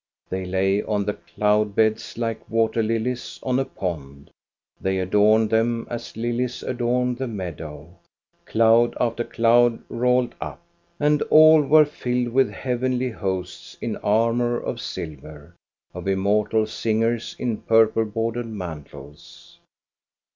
They lay on the cloud beds like water lilies on a pond ; they adorned them, as lilies adorn the meadow. Cloud after cloud rolled up. And all were filled with heavenly hosts in armor of silver, of immortal singers in purple bordered mantles.